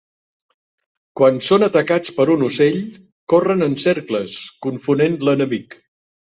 Quan són atacats per un ocell, corren en cercles, confonent l'enemic.